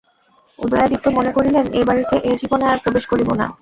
উদয়াদিত্য মনে করিলেন, এ বাড়িতে এ জীবনে আর প্রবেশ করিব না।